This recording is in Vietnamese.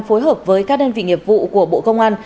phối hợp với các đơn vị nghiệp vụ của bộ công an